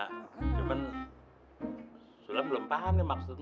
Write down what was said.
cuman sulam belum paham nih maksudnya